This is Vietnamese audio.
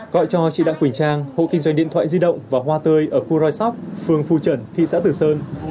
gọi cho chị đặng quỳnh trang hộ kinh doanh điện thoại di động và hoa tươi ở khu rai sóc phường phu trần thị xã tử sơn